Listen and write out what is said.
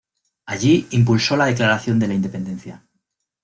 Allí impulsó la declaración de la Independencia.